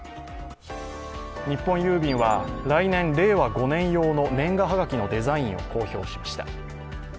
日本郵便は、来年令和５年用の年賀はがきのデザインを公表しました。